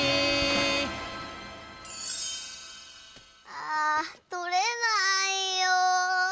あとれないよ。